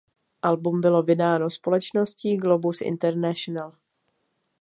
Album bylo vydáno společností Globus Internacional.